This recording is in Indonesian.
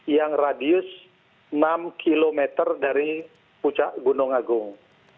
yang radius enam km dari puncak gunung agung